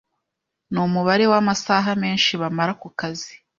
ni umubare w'amasaha menshi bamara ku kazi